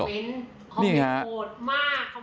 คอมเมนต์คอมเมนต์โหดมากคอมเมนต์โหดมาก